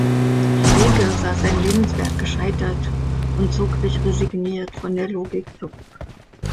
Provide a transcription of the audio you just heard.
Frege sah sein Lebenswerk gescheitert und zog sich resigniert von der Logik zurück.